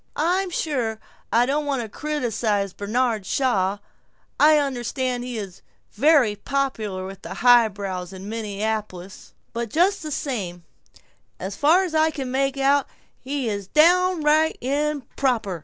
I'm sure I don't want to criticize Bernard Shaw; I understand he is very popular with the highbrows in Minneapolis; but just the same As far as I can make out, he's downright improper!